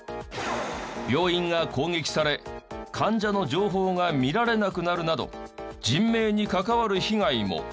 病院が攻撃され患者の情報が見られなくなるなど人命に関わる被害も。